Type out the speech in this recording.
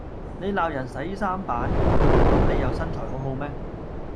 你鬧人洗衫板，咁你又身材好好咩？